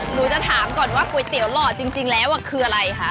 หนูจะถามก่อนว่าก๋วยเตี๋ยหล่อจริงแล้วคืออะไรคะ